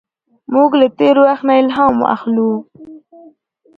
موږ له تېر وخت نه الهام اخلو.